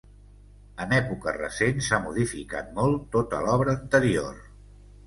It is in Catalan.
En època recent s'ha modificat molt tota l'obra anterior.